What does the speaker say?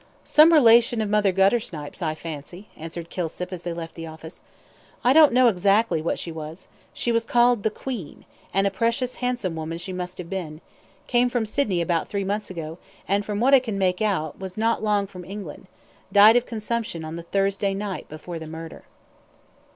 "Some relation of Mother Guttersnipe's, I fancy," answered Kilsip, as they left the office. "I don't know exactly what she was she was called the 'Queen,' and a precious handsome woman she must have been came from Sydney about three months ago, and from what I can make out, was not long from England, died of consumption on the Thursday night before the murder."